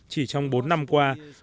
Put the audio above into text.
chỉ trong bốn năm qua